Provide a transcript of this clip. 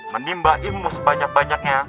menimba ilmu sebanyak banyaknya